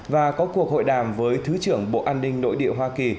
và có cuộc hội đàm với thứ trưởng bộ an ninh nội địa hoa kỳ